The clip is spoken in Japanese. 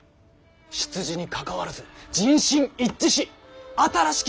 出自にかかわらず人心一致し新しき